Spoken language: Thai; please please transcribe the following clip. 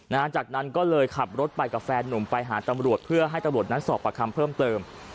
หลังจากนั้นก็เลยขับรถไปกับแฟนหนุ่มไปหาตำรวจเพื่อให้ตำรวจนั้นสอบประคำเพิ่มเติม